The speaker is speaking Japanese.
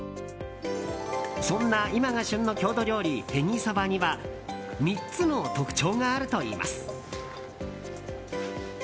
そんな今が旬の郷土料理へぎそばには３つの特徴があるといいます。